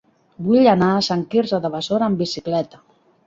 Vull anar a Sant Quirze de Besora amb bicicleta.